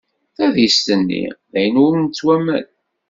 Taddist-nni d ayen ur nettwaman.